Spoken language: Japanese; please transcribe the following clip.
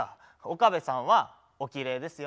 岡部さんはおきれいですよ。